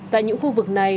tại những khu vực này